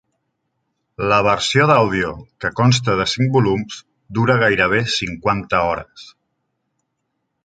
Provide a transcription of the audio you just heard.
La versió d'àudio, que consta de cinc volums, dura gairebé cinquanta hores.